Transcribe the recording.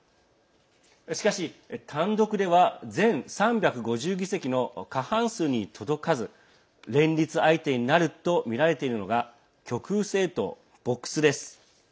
しかし、単独では全３５０議席の過半数に届かず連立相手になるとみられているのが極右政党ボックスです。